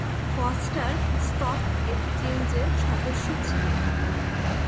Foster stock এক্সচেঞ্জের সদস্য ছিলেন।